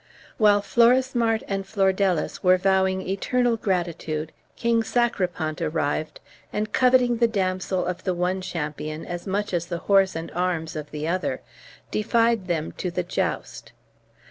While Florismart and Flordelis were vowing eternal gratitude King Sacripant arrived, and coveting the damsel of the one champion as much as the horse and arms of the other, defied them to the joust.